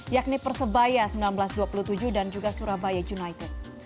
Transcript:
yakni persebaya seribu sembilan ratus dua puluh tujuh dan juga surabaya united